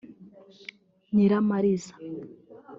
Nyiramariza